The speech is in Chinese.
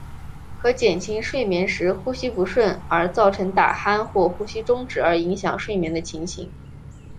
可减轻睡眠时呼吸不顺而造成打鼾或呼吸中止而影响睡眠的情形。